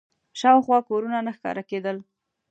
شاوخوا کورونه نه ښکاره کېدل.